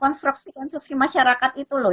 konstruksi konstruksi masyarakat itu loh